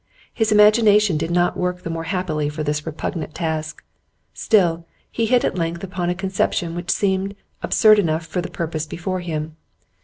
His imagination did not work the more happily for this repugnant task; still, he hit at length upon a conception which seemed absurd enough for the purpose before him.